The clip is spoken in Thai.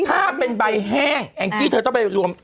ถ้าเป็นใบแห้งแองจี้เธอต้องไปรวม